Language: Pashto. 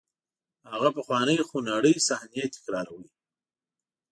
هغه پخوانۍ خونړۍ صحنې تکراروئ.